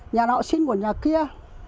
nhà nọ xin của nhà kia